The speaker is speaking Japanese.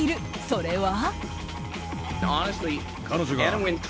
それは。